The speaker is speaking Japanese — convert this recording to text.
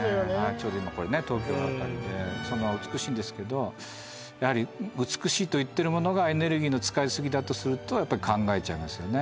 ちょうど今東京のあたりで美しいんですけどやはり美しいといってるものがエネルギーの使いすぎだとするとやっぱり考えちゃいますよね